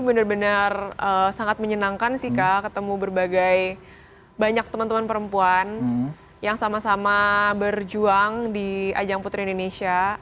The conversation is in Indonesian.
benar benar sangat menyenangkan sih kak ketemu berbagai banyak teman teman perempuan yang sama sama berjuang di ajang putri indonesia